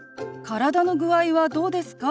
「体の具合はどうですか？」。